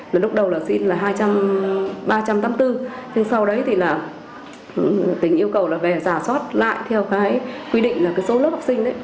lúc đầu là xin là ba trăm tám mươi bốn nhưng sau đấy thì là tỉnh yêu cầu là về giả soát lại theo cái quy định là số lớp học sinh